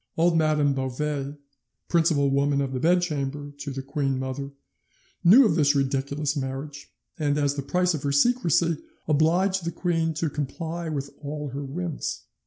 "Old Madame Beauvais, principal woman of the bed chamber to the queen mother, knew of this ridiculous marriage, and as the price of her secrecy obliged the queen to comply with all her whims.